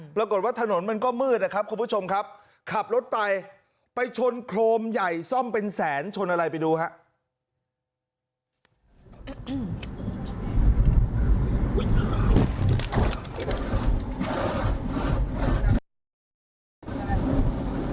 ปรากฏว่าถนนมันก็มืดนะครับคุณผู้ชมครับขับรถไปไปชนโครมใหญ่ซ่อมเป็นแสนชนอะไรไปดูครับ